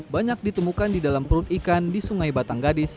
banyak ditemukan di dalam perut ikan di sungai batang gadis